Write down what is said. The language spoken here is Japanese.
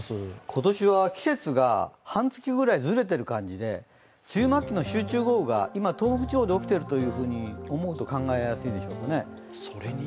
今年は季節が半月ぐらいずれている感じで、梅雨末期の集中豪雨が今、東北地方で起こっていると思うといいですね。